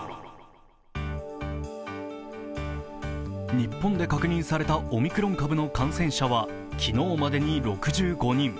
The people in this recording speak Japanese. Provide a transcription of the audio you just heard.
日本で確認されたオミクロン株の感染者は昨日までに６５人。